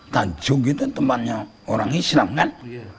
tajuk itu tempatnya orang islam kan